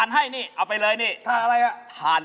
ชัดเลยใช่สิครับ